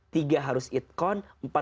tiga harus imanah